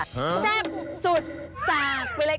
แซ่บสุดสากไปเลยค่ะ